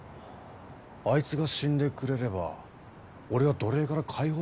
あいつが死んでくれれば俺は奴隷から解放されるわけだ。